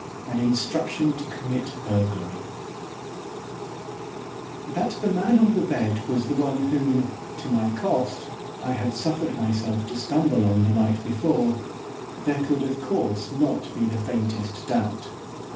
AN INSTRUCTION TO COMMIT BURGLARY That the man in the bed was the one whom, to my cost, I had suffered myself to stumble on the night before, there could, of course, not be the faintest doubt.